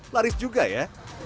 laris juga ya